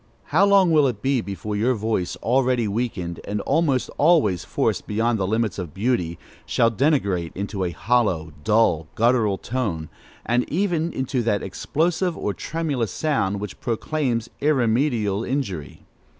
How long will it be before your voice, already weakened, and almost always forced beyond the limits of beauty, shall degenerate into a hollow, dull, guttural tone, and even into that explosive or tremulous sound, which proclaims irremediable injury?